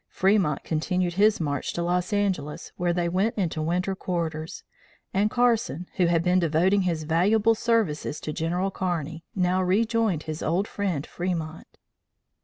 Fremont continued his march to Los Angeles, where they went into winter quarters, and Carson, who had been devoting his valuable services to General Kearney, now rejoined his old friend, Fremont.